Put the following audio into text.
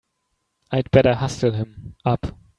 I'd better hustle him up!